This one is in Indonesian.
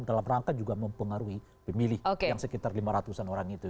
dalam rangka juga mempengaruhi pemilih yang sekitar lima ratus an orang itu